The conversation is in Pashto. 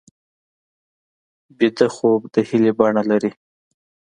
ویده خوب د هیلې بڼه لري